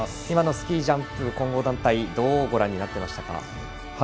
今のスキージャンプ混合団体どうご覧になっていましたか？